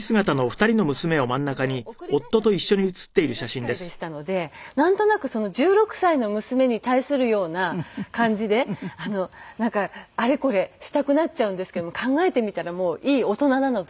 でもまあまあ送り出した時が１６歳でしたのでなんとなく１６歳の娘に対するような感じでなんかあれこれしたくなっちゃうんですけども考えてみたらもういい大人なので。